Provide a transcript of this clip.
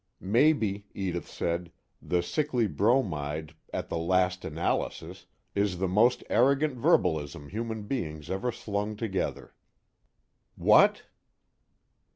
Maybe, Edith said, the sickly bromide "at the last analysis" is the most arrogant verbalism human beings ever slung together. _What?